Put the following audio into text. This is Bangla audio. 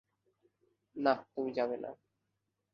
না, তুমি যাবে না।